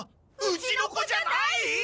うちの子じゃない！？